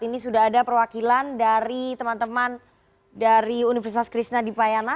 ini sudah ada perwakilan dari teman teman dari universitas krishna dipayana